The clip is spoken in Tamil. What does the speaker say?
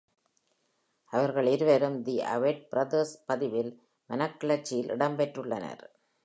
அவர்கள் இருவரும் தி அவெட் பிரதர்ஸ் பதிவில் "மனக்கிளர்ச்சி" யில் இடம்பெற்றுள்ளனர்.